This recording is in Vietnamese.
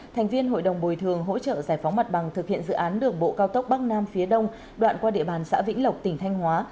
thành viên hội đồng bồi thường hỗ trợ giải phóng mặt bằng thực hiện dự án đường bộ cao tốc bắc nam phía đông đoạn qua địa bàn xã vĩnh lộc tỉnh thanh hóa